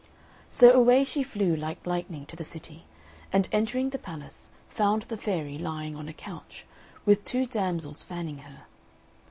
So away she flew like lightning to the city, and entering the palace, found the fairy lying on a couch, with two damsels fanning her.